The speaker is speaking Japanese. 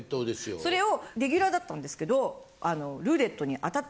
それをレギュラーだったんですけど。